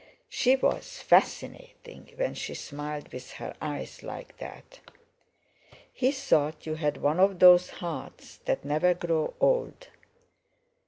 She was fascinating when she smiled with her eyes, like that! "He thought you had one of those hearts that never grow old.